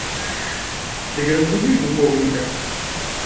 Дык разбудзі ж духоўніка!